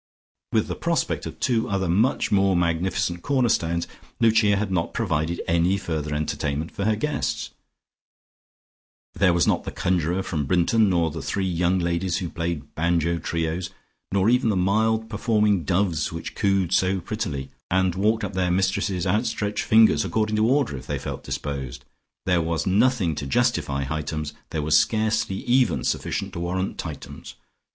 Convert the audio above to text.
With the prospect of two other much more magnificent cornerstones, Lucia had not provided any further entertainment for her guests: there was not the conjurer from Brinton, nor the three young ladies who played banjo trios, nor even the mild performing doves which cooed so prettily, and walked up their mistress's outstretched fingers according to order, if they felt disposed. There was nothing to justify Hightums, there was scarcely even sufficient to warrant Tightums.